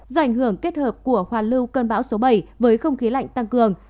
do ảnh hưởng kết hợp của hoàn lưu cơn bão số bảy với không khí lạnh tăng cường